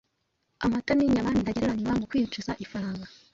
Amata n’inyama ni ntagereranywa mu kwinjiza ifaranga,